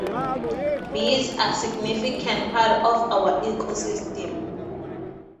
Bees are a significant part of our ecosystem.